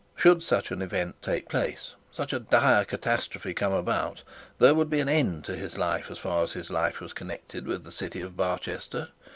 Should such an even take place, such a dire catastrophe come about, there would be an end to his life as far as his life was connected with the city of Barchester.